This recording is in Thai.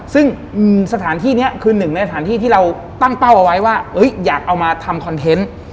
ซึ่งสถานที่นี้คือหนึ่งในสถานที่ที่เราตั้งเป้าเอาไว้ว่าอยากเอามาทำคอนเทนต์